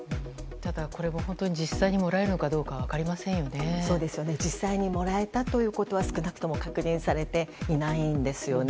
ただ、これが本当に実際にもらえるのか実際にもらえたということは少なくとも確認されていないんです。